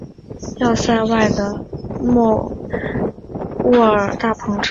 要塞外的莫卧尔大篷车道亦建于这一时期。